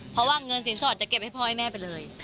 เพราะว่าเงินสินสอดจะเก็บให้พ่อให้แม่ไปเลย